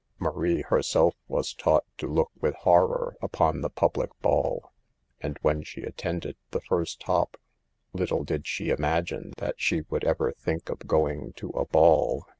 Marie herself was taught to look with horror upon the public ball, and when she attended the first hop little did she imagine that she would ever think of going to a ball.